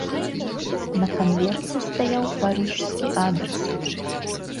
На канверце стаяў парыжскі адрас.